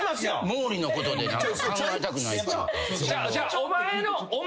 毛利のことで何か考えたくないっていうか。